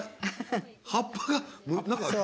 葉っぱが。